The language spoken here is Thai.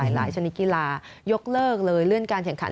ชนิดกีฬายกเลิกเลยเลื่อนการแข่งขัน